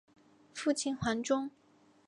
父亲黄中。